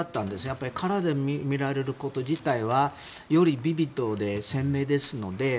やっぱりカラーで見られること自体はよりビビッドで鮮明ですので。